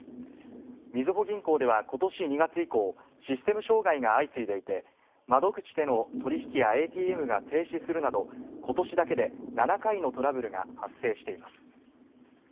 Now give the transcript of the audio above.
みずほ銀行ではことし２月以降、システム障害が相次いでいて、窓口での取り引きやＡＴＭが停止するなど、ことしだけで７回のトラブルが発生しています。